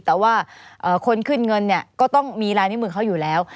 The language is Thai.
แต่ว่าคนขึ้นเงินเนี่ยก็ต้องมีลายนิ้วมือเขาอยู่แล้ว